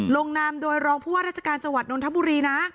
ลงนามโดยรองผู้ว่าราชการจังหวัดนทบุรีนะ